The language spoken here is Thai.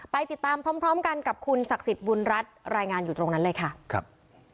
ไปติดตามพร้อมกันกับคุณศักดิ์สิทธิ์บุญรัฐรายงานอยู่ตรงนั้นเลยค่ะครับ